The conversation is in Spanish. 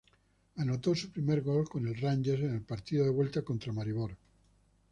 Anotó su primer gol con el Rangers en el partido de vuelta contra Maribor.